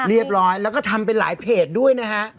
เรียบร้อยแล้วก็ทำเป็นหลายเพจด้วยนะฮะ